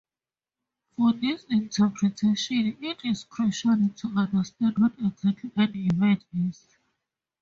For this interpretation, it is crucial to understand what exactly an event is.